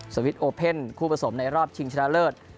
สวิตชโอเพ่นคู่ผสมในรอบชิงชนะเลิศ